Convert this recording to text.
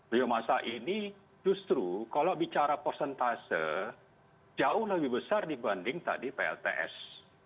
biomasa ini justru kalau bicara persentase jauh lebih besar dibanding tadi plts